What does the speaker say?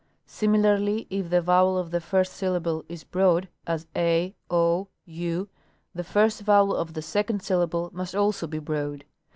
Similarl}' , if the voAvel of the first syllable is broad, as a, o, u, the first vowel of the second syllable must also be broad.